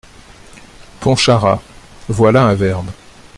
Pontcharrat.- Voilà un verbe !